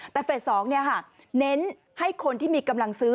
แต่เฟส๒เน้นให้คนที่มีกำลังซื้อ